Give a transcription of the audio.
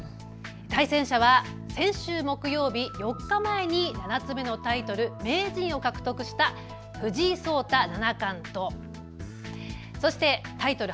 対戦者は先週木曜日、４日前に７つ目のタイトル、名人を獲得した藤井聡太七冠とそしてタイトル